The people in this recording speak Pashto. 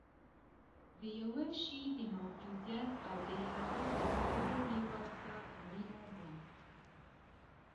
د یوه شي د موجودیت او د هغه د کولو لېوالتیا اړینه ده